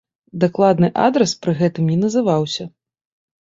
Дакладны адрас пры гэтым не называўся.